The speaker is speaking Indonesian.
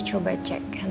sampai kamu kepikiran